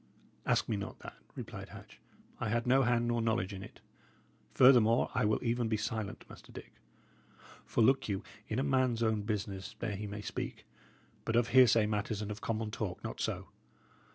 "Ask me not that," replied Hatch. "I had no hand nor knowledge in it; furthermore, I will even be silent, Master Dick. For look you, in a man's own business there he may speak; but of hearsay matters and of common talk, not so.